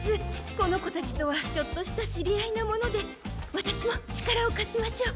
このこたちとはちょっとしたしりあいなものでわたしもちからをかしましょう。